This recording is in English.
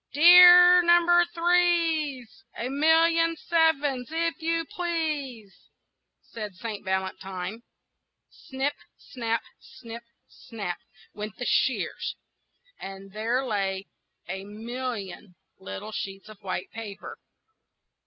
"Dear Number Threes, A million sevens, if you please!" said Saint Valentine. Snip snap! snip snap! went the shears, and there lay a million little sheets of white paper.